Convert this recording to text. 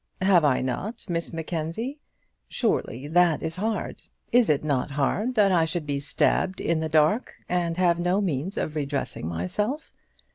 "Have I not, Miss Mackenzie? Surely that is hard. Is it not hard that I should be stabbed in the dark, and have no means of redressing myself?